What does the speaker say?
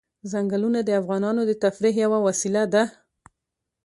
ځنګلونه د افغانانو د تفریح یوه وسیله ده.